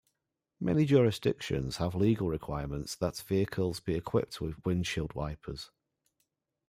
Many jurisdictions have legal requirements that vehicles be equipped with windshield wipers.